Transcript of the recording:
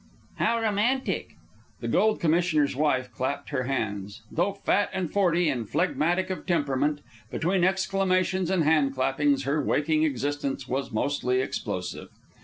"How romantic!" The Gold Commissioner's wife clapped her hands. Though fat and forty, and phlegmatic of temperament, between exclamations and hand clappings her waking existence was mostly explosive.